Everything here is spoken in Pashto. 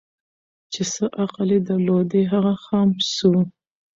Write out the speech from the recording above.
چي څه عقل یې درلودی هغه خام سو